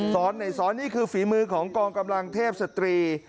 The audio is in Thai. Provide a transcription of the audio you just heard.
ซ้อนในซ้อนนี้คือฝีมือของกรกำลังเทพศตรี